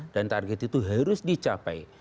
dan target itu harus dicapai